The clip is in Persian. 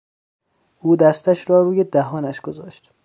او دستش را روی دهانش گذاشت.